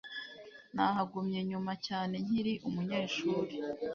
Nahagumye nyuma cyane nkiri umunyeshuri